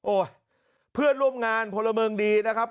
เพื่อนร่วมงานพลเมิงดีนะครับ